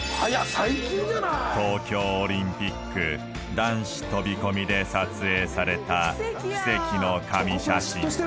最近じゃない東京オリンピック男子飛び込みで撮影された奇跡の神写真